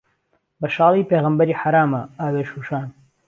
به شاڵی پێغهمبهری حهرامه ئاوێ شووشان